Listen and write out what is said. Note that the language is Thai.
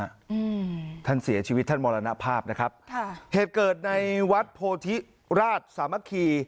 อืมท่านเสียชีวิตท่านมรณภาพนะครับค่ะเหตุเกิดในวัดโพธิราชสามัคคี